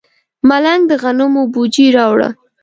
ملنګ د غنمو بوجۍ راوړه.